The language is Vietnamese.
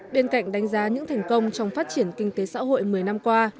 bên cạnh đánh giá những thành công trong phát triển kinh tế xã hội một mươi năm qua